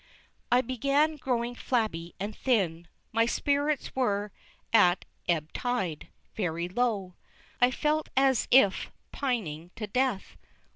I began growing flabby and thin. My spirits were at ebb tide, very low. I felt as if pining to death.